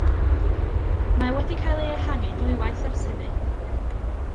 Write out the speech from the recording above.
Mae wedi cael ei ehangu ddwywaith ers hynny.